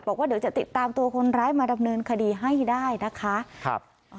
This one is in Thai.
บอกว่าเดี๋ยวจะติดตามตัวคนร้ายมาดำเนินคดีให้ได้นะคะครับ